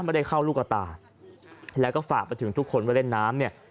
ไม่ได้เข้าลูกกระตาแล้วก็ฝากไปถึงทุกคนว่าเล่นน้ำเนี่ย